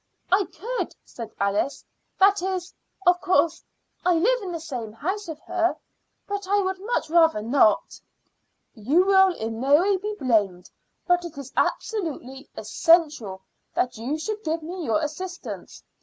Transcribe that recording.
"I could," said Alice "that is, of course, I live in the same house with her but I would much rather not." "You will in no way be blamed, but it is absolutely essential that you should give me your assistance.